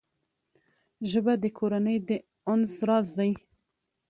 ژبه د کورنۍ د انس راز دی